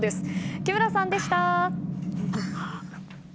木村さんでした。